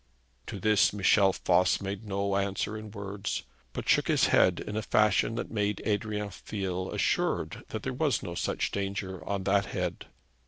To this Michel Voss made no answer in words, but shook his head in a fashion that made Adrian feel assured that there was no danger on that head.